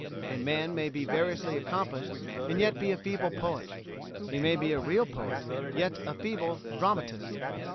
A man may be variously accomplished and yet be a feeble poet. He may be a real poet, yet a feeble dramatist.